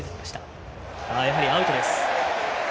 やはりアウトです。